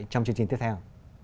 trong chương trình tiếp theo